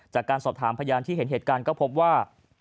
จากการสอบถามพยานที่เห็นเหตุการณ์ก็พบว่า